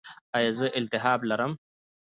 ایا زه التهاب لرم؟